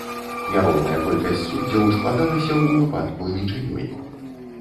Няроўная колькасць суддзяў складалася ў выпадку нічыёй.